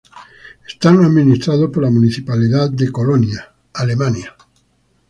Están administrados por la municipalidad de Colonia, Alemania.